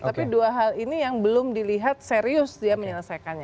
tapi dua hal ini yang belum dilihat serius dia menyelesaikannya